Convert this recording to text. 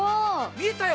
見えたよ！